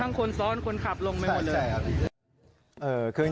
ทั้งคนท้อนคนขับลงไม่หมดเลย